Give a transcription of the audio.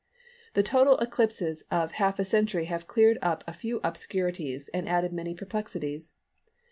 The total eclipses of a half century have cleared up a few obscurities, and added many perplexities.